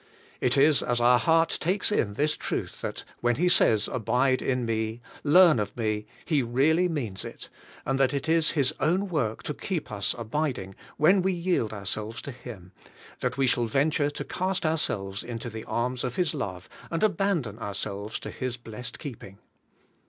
It is as our heart takes in this truth that, when He says, * Abide in me,' 'Learn of me,' He really means it, and that it is His own work to keep us abiding when we yield ourselves to Him, that we shall venture to cast ourselves into the arms of His love, and abandon ourselves to His blessed keeping.